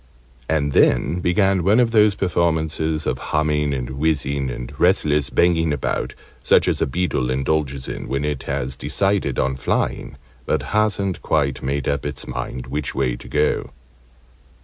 And then began one of those performances of humming, and whizzing, and restless banging about, such as a beetle indulges in when it has decided on flying, but hasn't quite made up its mind which way to go.